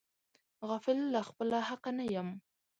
غافل له خپله حقه نه یم.